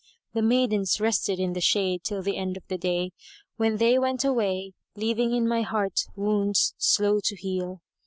The maidens rested in the shade till the end of the day, when they went away, leaving in my heart wounds slow to heal.